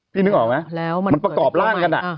นึกออกไหมมันประกอบร่างกัน